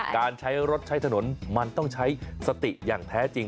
การใช้รถใช้ถนนมันต้องใช้สติอย่างแท้จริง